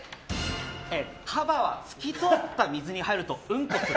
カバは透き通った水に入るとウンコする。